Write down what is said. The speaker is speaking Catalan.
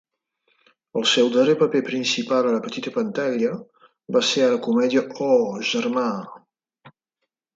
El seu darrer paper principal a la petita pantalla va ser a la comèdia Oh, Germà!